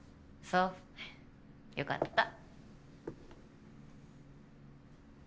そうよかった。